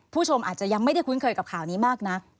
ผู้ชมอาจจะยังไม่ได้คุ้นเคยกับข่าวนี้มากนัก